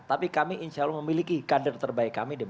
tapi kami insya allah memiliki kader terbaik kami